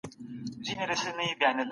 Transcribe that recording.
ناحقه ګټه مه کوئ.